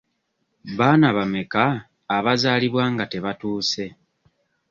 Baana bameka abazaalibwa nga tebatuuse?